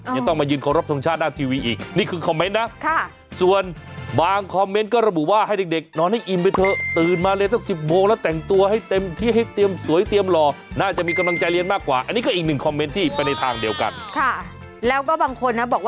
ยังต้องมายืนครบทองชาติด้านทีวีอีกนี่คือคอมเมนต์นะส่วนบางคอมเมนต์ก็เราบุว่าให้เด็ก